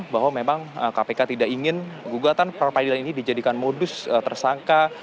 bahwa memang kpk tidak ingin gugatan pra peradilan ini dijadikan modus tersangka